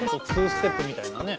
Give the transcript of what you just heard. ２ステップみたいなね。